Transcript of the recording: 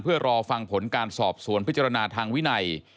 เพื่อรอฟังผลการสอบสวนพิจารณาทางวินัย